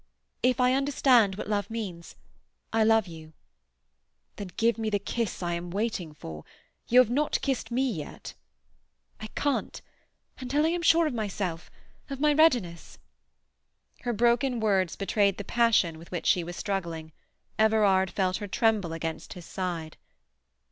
If I understand what love means, I love you." "Then give me the kiss I am waiting for. You have not kissed me yet." "I can't—until I am sure of myself—of my readiness—" Her broken words betrayed the passion with which she was struggling. Everard felt her tremble against his side.